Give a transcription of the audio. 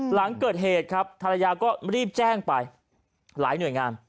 หลังเกิดเหตุครับภรรยาก็รีบแจ้งไปหลายหน่วยงาน